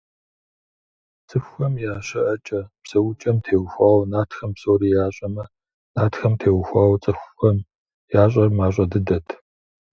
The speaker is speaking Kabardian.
ЦӀыхухэм я щыӀэкӀэ–псэукӀэм теухуауэ нартхэм псори ящӀэмэ, нартхэм теухуауэ цӀыхухэм ящӀэр мащӀэ дыдэт.